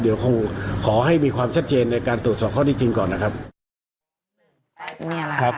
เดี๋ยวคงขอให้มีความชัดเจนในการตรวจสอบข้อที่จริงก่อนนะครับนี่แหละครับ